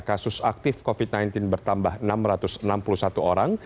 kasus aktif covid sembilan belas bertambah enam ratus enam puluh satu orang